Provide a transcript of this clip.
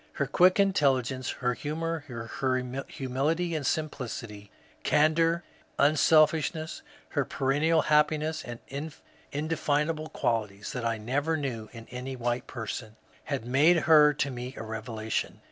Her quick intelligence, her humour, her humility and simplicity, candour, unselfishness, her perennial happiness, and indefinable qualities that I neVer knew in any white per son, had made her to me a revelation.